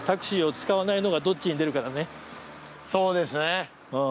そうですね。